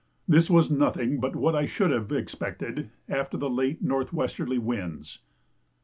This was nothing but what I should have expected after the late north westerly winds.